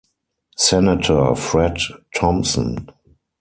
Senator Fred Thompson.